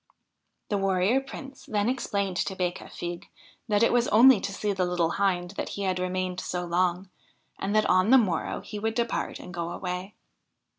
The Warrior Prince then explained to Becafigue that it was only to see the little Hind that he had remained so long, and that on the morrow he would depart and go away.